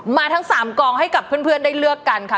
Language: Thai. ทั้ง๓กองให้กับเพื่อนได้เลือกกันค่ะ